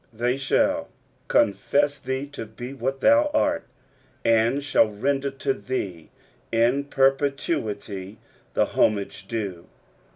They shall confess thee to be what thou art, and shall render to lliee in perpetuity the homage due.